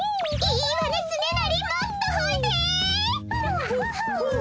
いいわねつねなりもっとほえて！